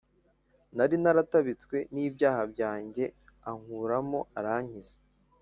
Nari naratabitswe n’ibyaha byanjye ankuramo arankiza